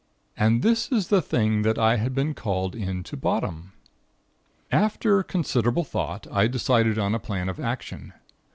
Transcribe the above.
"And this is the thing that I had been called in to bottom! "After considerable thought, I decided on a plan of action.